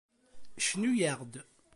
Cnu-yaɣ-d